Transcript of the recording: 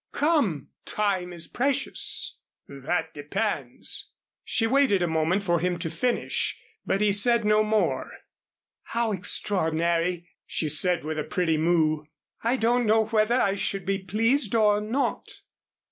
"Come, time is precious." "That depends " She waited a moment for him to finish, but he said no more. "How extraordinary!" she said with a pretty mouë. "I don't know whether I should be pleased or not."